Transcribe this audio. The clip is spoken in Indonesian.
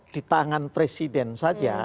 ditangan presiden saja